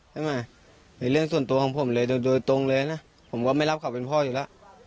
ใช่ไหมในเรื่องส่วนตัวของผมเลยโดยตรงเลยนะผมก็ไม่รับเขาเป็นพ่ออยู่แล้ว